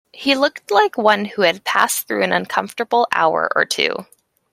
He looked like one who had passed through an uncomfortable hour or two.